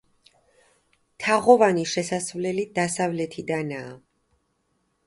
თაღოვანი შესასვლელი დასავლეთიდანაა.